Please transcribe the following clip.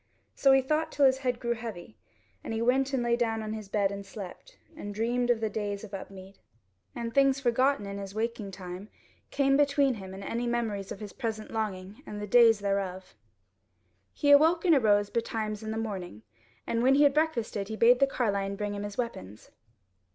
So he thought till his head grew heavy, and he went and lay down in his bed and slept, and dreamed of the days of Upmead; and things forgotten in his waking time came between him and any memories of his present longing and the days thereof. He awoke and arose betimes in the morning, and when he had breakfasted he bade the carline bring him his weapons.